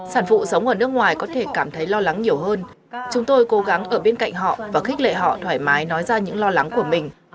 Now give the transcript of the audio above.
sản phụ sống ở nước ngoài có thể cảm thấy lo lắng nhiều hơn chúng tôi cố gắng ở bên cạnh họ và khích lệ họ thoải mái nói ra những lo lắng của mình